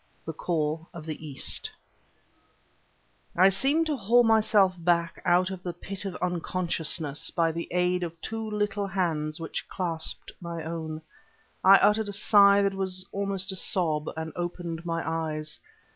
THE CALL OF THE EAST I seemed to haul myself back out of the pit of unconsciousness by the aid of two little hands which clasped my own. I uttered a sigh that was almost a sob, and opened my eyes.